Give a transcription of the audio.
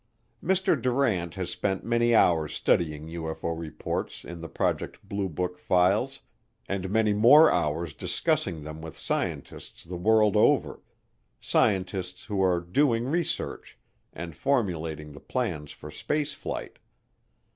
Mr. Durant has spent many hours studying UFO reports in the Project Blue Book files and many more hours discussing them with scientists the world over scientists who are doing research and formulating the plans for space flight.